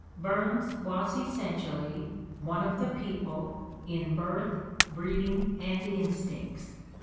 " Burns was essentially ' one of the people ' in birth, breeding and instincts